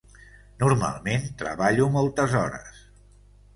Normalment, treballo moltes hores.